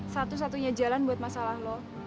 satu satunya jalan buat masalah lo